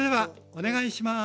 お願いします！